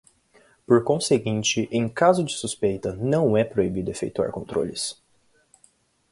Por conseguinte, em caso de suspeita, não é proibido efetuar controles.